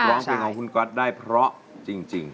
ร้องเพลงของคุณก๊อตได้เพราะจริง